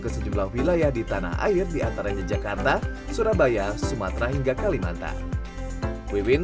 ke sejumlah wilayah di tanah air diantaranya jakarta surabaya sumatera hingga kalimantan wewin